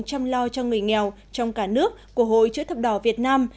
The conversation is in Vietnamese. chăm lo cho người nghèo trong cả nước của hội chữ thập đỏ việt nam